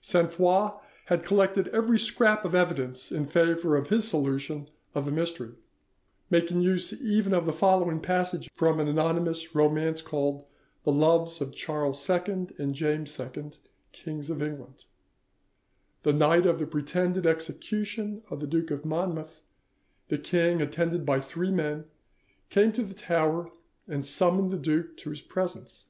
Sainte Foix had collected every scrap of evidence in favour of his solution of the mystery, making use even of the following passage from an anonymous romance called 'The Loves of Charles II and James II, Kings of England':— "The night of the pretended execution of the Duke of Monmouth, the king, attended by three men, came to the Tower and summoned the duke to his presence.